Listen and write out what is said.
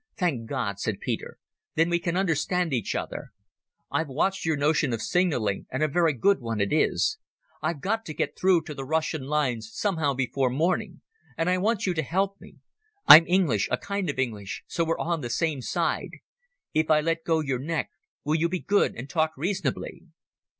"Thank God," said Peter. "Then we can understand each other. I've watched your notion of signalling, and a very good one it is. I've got to get through to the Russian lines somehow before morning, and I want you to help me. I'm English—a kind of English, so we're on the same side. If I let go your neck, will you be good and talk reasonably?"